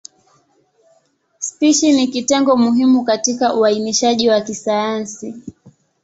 Spishi ni kitengo muhimu katika uainishaji wa kisayansi.